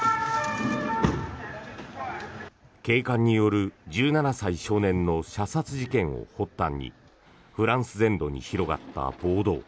警官による１７歳少年の射殺事件を発端にフランス全土に広がった暴動。